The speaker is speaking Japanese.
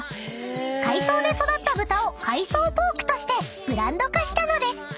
［海藻で育った豚を海藻ポークとしてブランド化したのです］